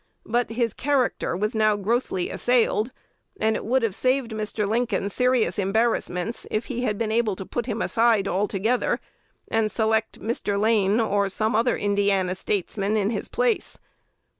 But his character was now grossly assailed; and it would have saved Mr. Lincoln serious embarrassments if he had been able to put him aside altogether, and select Mr. Lane or some other Indiana statesman in his place.